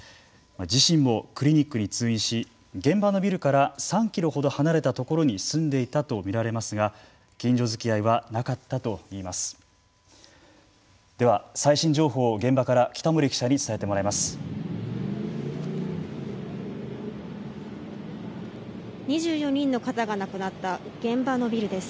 自身もクリニックに通院し現場のビルから３キロほど離れたところに住んでいたとみられますが近所づきあいはなかったといいます。